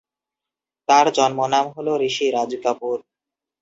তার জন্মনাম হল ঋষি রাজ কাপুর।